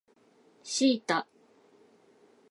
シータ